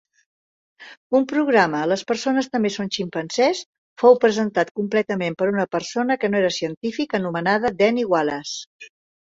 Un programa "Les persones també són ximpanzés" fou presentat completament per una persona que no era científic anomenada Danny Wallace.